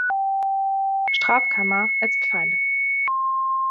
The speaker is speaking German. Strafkammer als kleine.